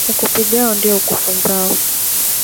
Ukupigao ndio ukufunzao